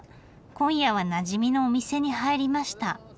今夜はなじみのお店に入りました。